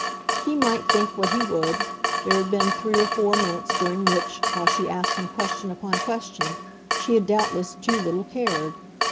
He might think what he would there had been three or four minutes during which, while she asked him question upon question, she had doubtless too little cared.